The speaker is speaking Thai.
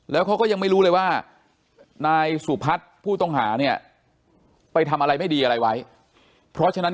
แล้วเขาก็ยังไม่รู้เลยว่า